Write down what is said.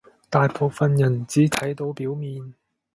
大部分人只睇到表面